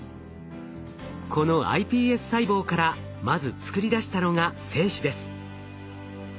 このｉＰＳ細胞からまず作り出したのが精子です。